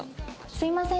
すみません。